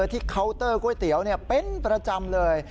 ที่เคาน์เตอร์กระเป๋าเป็นประจำเลย